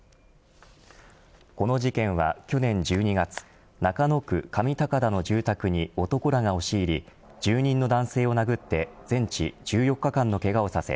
この事件は去年１２月中野区上高田の住宅に男らが押し入り住人の男性を殴って全治１４日間のけがをさせ